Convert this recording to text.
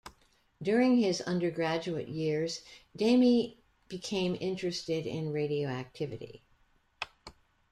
During his undergraduate years, Damy became interested in radioactivity.